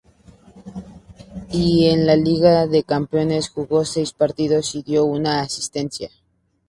Y en la Liga de Campeones, jugó seis partidos y dio una asistencia.